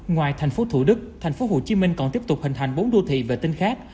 ngoài tp thủ đức tp hcm còn tiếp tục hình thành bốn đô thị vệ tinh khác